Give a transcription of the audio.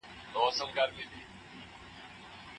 راتلونکې جمعه به خطيب د اسلام په اړه وينا کوي.